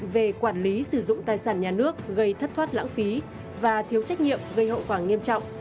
về quản lý sử dụng tài sản nhà nước gây thất thoát lãng phí và thiếu trách nhiệm gây hậu quả nghiêm trọng